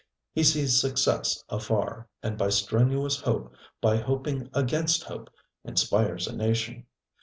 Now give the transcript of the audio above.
He sees success afar, and by strenuous hope, by hoping against hope, inspires a nation.